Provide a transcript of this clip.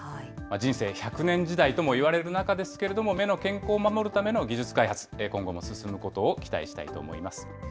人生１００年時代ともいわれる中ですけれども、目の健康を守るための技術開発、今後も進むことを期待したいと思います。